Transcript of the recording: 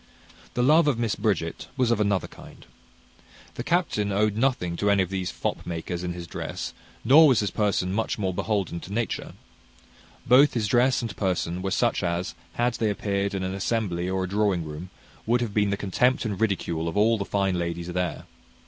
The love of Miss Bridget was of another kind. The captain owed nothing to any of these fop makers in his dress, nor was his person much more beholden to nature. Both his dress and person were such as, had they appeared in an assembly or a drawing room, would have been the contempt and ridicule of all the fine ladies there.